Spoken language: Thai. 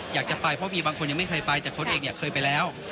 อยากจะไปเพราะมีบางคนยังไม่เคยไปแต่คนเองเนี่ยเคยไปแล้ว